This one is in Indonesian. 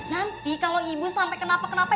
nanti kalo ibu sampe kenapa kenapa